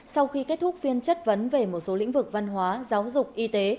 sau khi kết thúc phiên chất vấn về một số lĩnh vực văn hóa giáo dục y tế